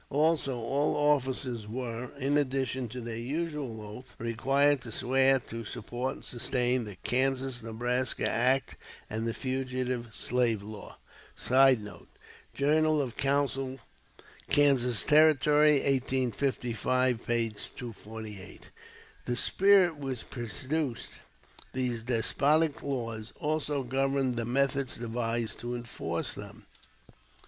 Also, all officers were, in addition to their usual oath, required to swear to support and sustain the Kansas Nebraska Act and the Fugitive Slave Law. [Sidenote: "Journal of Council Kansas Territory," 1855 p. 248.] The spirit which produced these despotic laws also governed the methods devised to enforce them.